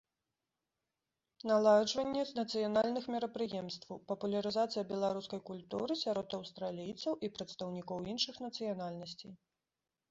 Наладжванне нацыянальных мерапрыемстваў, папулярызацыя беларускай культуры сярод аўстралійцаў і прадстаўнікоў іншых нацыянальнасцей.